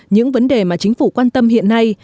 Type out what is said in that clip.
những vấn đề mà chính phủ quan tâm hiện nay